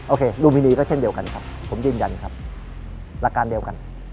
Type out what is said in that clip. โคลูมินีก็เช่นเดียวกันครับผมยืนยันครับหลักการเดียวกัน